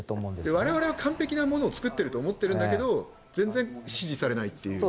我々は完璧なものを作っていると思うんだけど全然支持されないという。